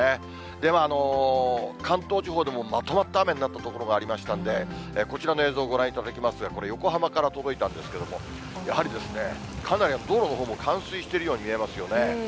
でも、関東地方でもまとまった雨になった所がありましたんで、こちらの映像をご覧いただきますが、これ、横浜から届いたんですけれども、やはりかなり道路のほうも冠水しているように見えますよね。